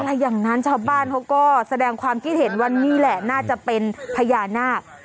อะไรอย่างนั้นชาวบ้านเขาก็แสดงความคิดเห็นว่านี่แหละน่าจะเป็นพญานาค